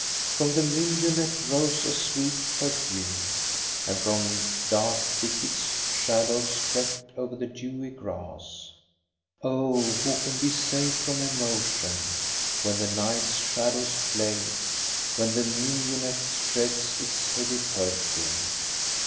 " From the mignonette rose a sweet perfume, And from dark thickets shadows crept over the dewy grass. Oh, who can be safe from emotion When the night's shadows play, when the mignonette sheds its heavy perfume?